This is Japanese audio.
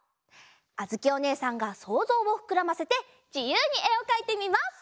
あづきおねえさんがそうぞうをふくらませてじゆうにえをかいてみます！